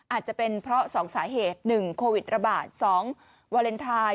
อาจจะเป็นเพราะสองสาเหตุหนึ่งโควิดระบาดสองวาเลนไทน์